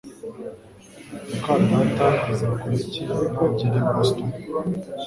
muka data azakora iki nagera i Boston?